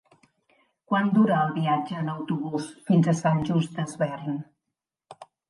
Quant dura el viatge en autobús fins a Sant Just Desvern?